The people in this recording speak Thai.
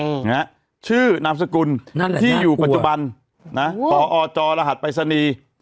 นะฮะชื่อนามสกุลนั่นแหละที่อยู่ปัจจุบันนะพอจรหัสปรายศนีย์